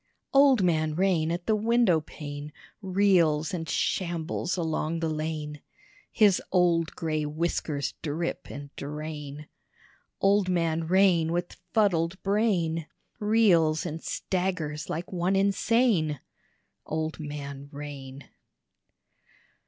Old Man Rain at the windowpane Reels and shambles along the lane: His old gray whiskers drip and drain: Old Man Rain with fuddled brain Reels and staggers like one insane. Old Man Rain.